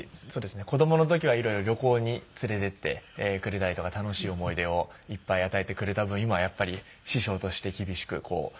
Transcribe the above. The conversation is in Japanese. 子供の時は色々旅行に連れて行ってくれたりとか楽しい思い出をいっぱい与えてくれた分今はやっぱり師匠として厳しく指導して。